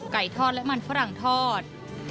ทอดและมันฝรั่งทอด